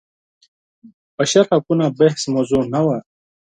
بشر حقونه بحث موضوع نه وه.